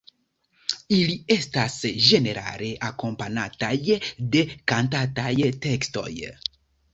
Ili estas ĝenerale akompanataj de kantataj tekstoj.